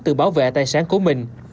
tự bảo vệ tài sản của mình